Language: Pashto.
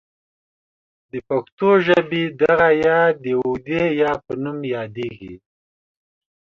د پښتو ژبې دغه ې د اوږدې یا په نوم یادیږي.